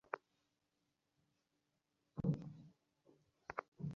অনুষ্ঠান সঞ্চালনা করেন অভিবাসী অধিকার কর্মসূচির কর্মসূচি কর্মকর্তা অরূপ রতন ভৌমিক।